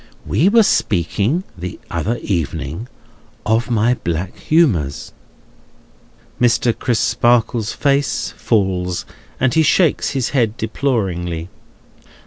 We were speaking, the other evening, of my black humours." Mr. Crisparkle's face falls, and he shakes his head deploringly.